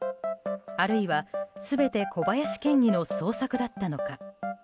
あるいは、全て小林県議の創作だったのか。